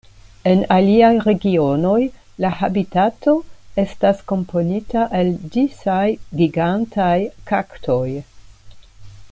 En aliaj regionoj la habitato estas komponita el disaj gigantaj kaktoj.